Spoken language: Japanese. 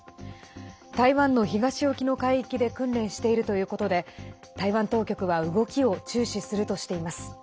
台湾の東沖の海域で訓練しているということで台湾当局は動きを注視するとしています。